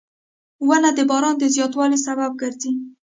• ونه د باران د زیاتوالي سبب ګرځي.